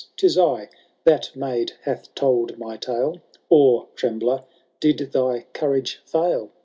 Tis I — ^that Maid hath told my tale^— Or, trembler, did thy courage &il